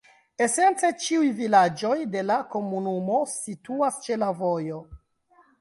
Esence ĉiuj vilaĝoj de la komunumo situas ĉe la vojo.